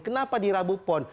kenapa di rabu pon